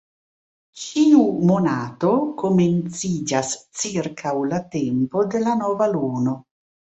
Ĉiu monato komenciĝas ĉirkaŭ la tempo de la nova luno.